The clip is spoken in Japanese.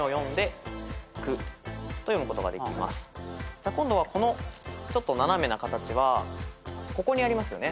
じゃあ今度はこのちょっと斜めな形はここにありますよね。